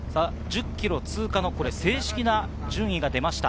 １０ｋｍ通過の正式な順位が出ました。